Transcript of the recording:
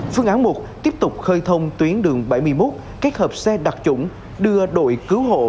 phương án một tiếp tục khơi thông tuyến đường bảy mươi một kết hợp xe đặc trủng đưa đội cứu hộ